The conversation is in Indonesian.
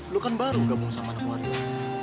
lo kan baru gabung sama anak warga